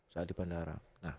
saat di bandara